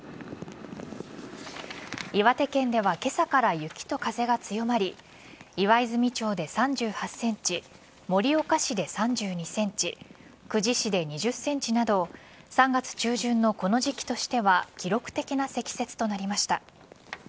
岩手県では今朝から雪と風が強まり岩泉町で３８ｃｍ盛岡市で３２ｃｍ久慈市で２０ｃｍなど３月中旬のこの時期としては記録的な積雪となりました。